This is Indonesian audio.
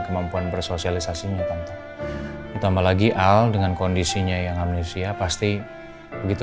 kemampuan bersosialisasinya tante ditambah lagi al dengan kondisinya yang amnesia pasti begitu